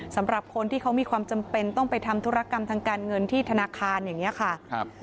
สำหรับคนที่เขามีความจำเป็นต้องไปทำธุรกรรมทางการเงินที่ธนาคารอย่างนี้ค่ะ